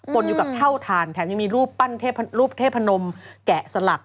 ปนอยู่กับเท่าฐานแถมยังมีรูปเทพนมแกะสลัก